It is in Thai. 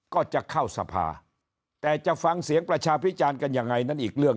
ก็จะเข้าสภาแต่จะฟังเสียงประชาพิจารณ์กันยังไงนั้นอีกเรื่อง